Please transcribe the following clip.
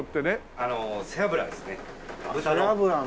あの背脂ですね豚の。